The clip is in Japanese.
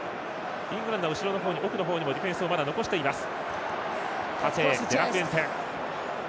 イングランドは後ろ、奥の方にもディフェンスを残しています。